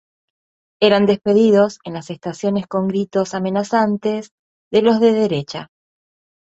Eran despedidos en las estaciones con gritos amenazantes de los de derechas.